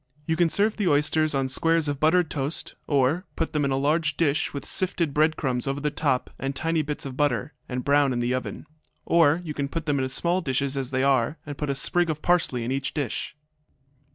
You can serve the oysters on squares of buttered toast, or put them in a large dish, with sifted bread crumbs over the top and tiny bits of butter, and brown in the oven. Or you can put them in small dishes as they are, and put a sprig of parsley in each dish.